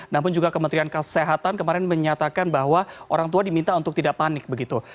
namun juga kementerian kesehatan kemarin menyatakan bahwa orang tua diminta untuk tidak panik begitu